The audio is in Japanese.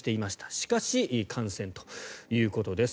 しかし、感染ということです。